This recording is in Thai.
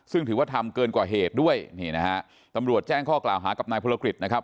ซึ่งถือว่าทำเกินกว่าเหตุด้วยนี่นะฮะตำรวจแจ้งข้อกล่าวหากับนายพลกฤษนะครับ